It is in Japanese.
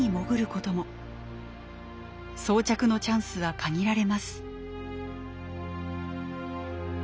装着のチャンスは限られます。